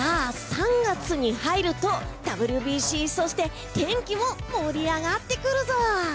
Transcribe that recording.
３月に入るとＷＢＣ、そして天気も盛り上がってくるぞ！